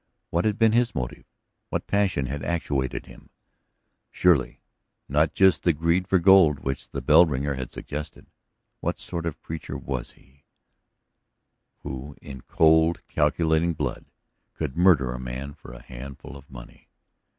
What had been his motive, what passion had actuated him Surely not just the greed for gold which the bell ringer had suggested! What sort of creature was he who, in cold, calculating blood could murder a man for a handful of money?